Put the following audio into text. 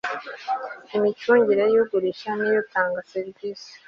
Imicungire y ugurisha n iy utanga serivisi